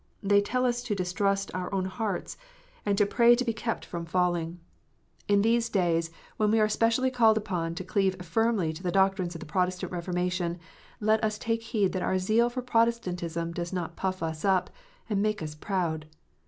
They tell us to distrust our own hearts, and to pray to be kept from 328 KNOTS UNTIED. falling. In these days, when we are specially called upon to cleave firmly to the doctrines of the Protestant Keformation, let us take heed that our zeal for Protestantism does not puff us up, and make us proud.